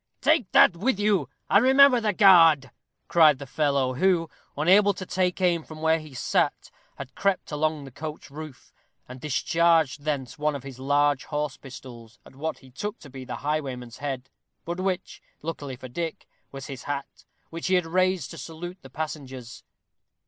"Take that with you, and remember the guard," cried the fellow, who, unable to take aim from where he sat, had crept along the coach roof, and discharged thence one of his large horse pistols at what he took to be the highwayman's head, but which, luckily for Dick, was his hat, which he had raised to salute the passengers.